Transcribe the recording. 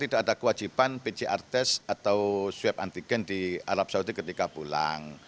tidak ada kewajiban pcr test atau swab antigen di arab saudi ketika pulang